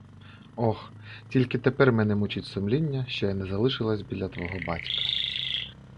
Ох, тільки тепер мене мучить сумління, що я не залишилася біля твого батька.